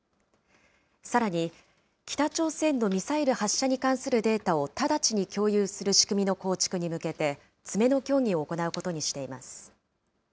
さらに、北朝鮮のミサイル発射に関するデータを直ちに共有する仕組みの構築に向けて、詰めの協議を行うことにしています。